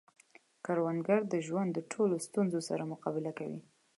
کروندګر د ژوند د ټولو ستونزو سره مقابله کوي